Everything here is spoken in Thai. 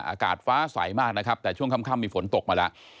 อากาศฟ้าใสมากนะครับแต่ช่วงค่ำมีฝนตกมาแล้ว